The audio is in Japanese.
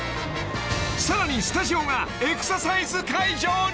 ［さらにスタジオがエクササイズ会場に？］